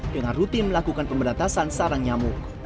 dengan rutin melakukan pemberantasan sarang nyamuk